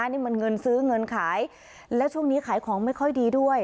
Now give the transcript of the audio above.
นี่มันเงินซื้อเงินขายแล้วช่วงนี้ขายของไม่ค่อยดีด้วย